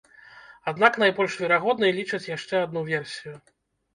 Аднак найбольш верагоднай лічаць яшчэ адну версію.